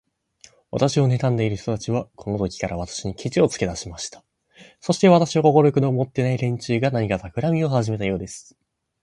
私をねたんでいる人たちは、このときから、私にケチをつけだしました。そして、私を快く思っていない連中が、何かたくらみをはじめたようです。